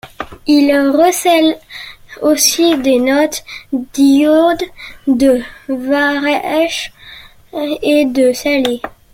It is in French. Il recèle aussi des notes d'iode, de varech et de salé.